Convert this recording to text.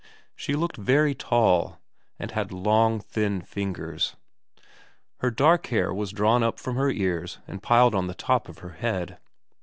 She looked very tall, and had long thin fingers. Her dark hair was drawn up from her ears and piled on the top of her head.